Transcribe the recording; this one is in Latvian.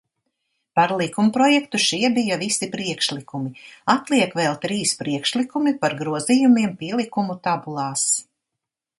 Par likumprojektu šie bija visi priekšlikumi, atliek vēl trīs priekšlikumi par grozījumiem pielikumu tabulās.